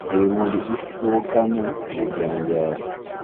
Ebimuli bifuukaamu ebijanjaalo.